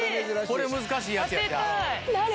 これ難しいやつや。